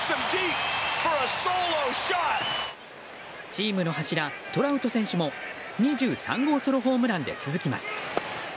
チームの柱、トラウト選手も２３号ソロホームランで続きます。